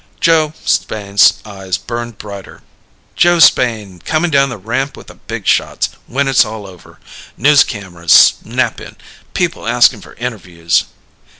Joe Spain's eyes burned brighter. "Joe Spain, coming down the ramp with the big shots when it's all over. News cameras snapping! People asking for interviews!"